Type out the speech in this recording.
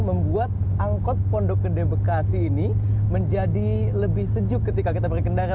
membuat angkot pondok gede bekasi ini menjadi lebih sejuk ketika kita berkendara